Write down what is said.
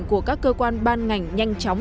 của các cơ quan ban ngành nhanh chóng